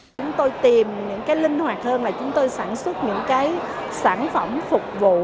chúng tôi tìm những cái linh hoạt hơn là chúng tôi sản xuất những cái sản phẩm phục vụ